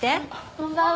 こんばんは。